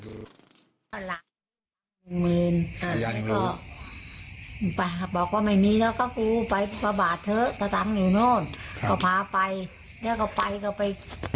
ตื่นเช้าไปบ้านหอก็ไม่มี